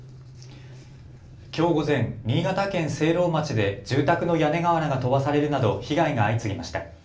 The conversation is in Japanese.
きょう午前、新潟県聖籠町で住宅の屋根瓦が飛ばされるなど被害が相次ぎました。